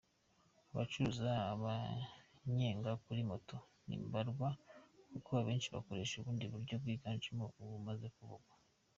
Abacuruza umunyenga kuri moto ni mbarwa kuko abenshi bakoresha ubundi buryo bwiganjemo ubumaze kuvugwa.